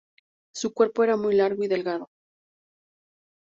Su cuerpo era muy largo y delgado.